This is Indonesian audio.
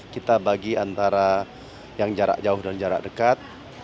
kita bagi antara yang jarak jauh dan jarak dekat